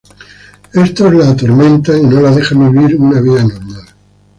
Estos la atormentan y no la dejan vivir una vida normal.